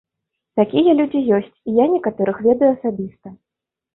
Такія людзі ёсць, я некаторых ведаю асабіста.